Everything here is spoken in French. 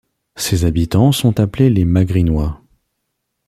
Ses habitants sont appelés les Magrinois.